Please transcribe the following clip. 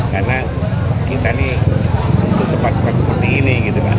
karena kita ini untuk tempat tempat seperti ini